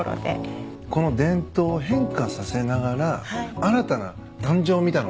この伝統を変化させながら新たな誕生みたいなものじゃないですか。